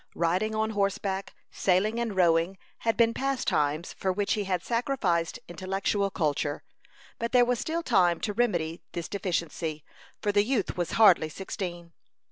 Riding on horseback, sailing and rowing, had been pastimes for which he had sacrificed intellectual culture. But there was still time to remedy this deficiency, for the youth was hardly sixteen.